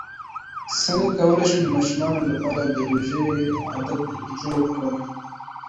څنګه کولی شم د ماشومانو لپاره د روژې عادت جوړ کړم